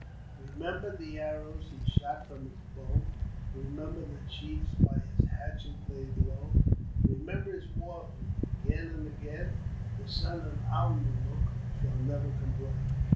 Remember the arrows he shot from his bow. Remember the chiefs by his hatchet laid low, Remember his war whoop again and again ; The son of Alknoomook shall never complain.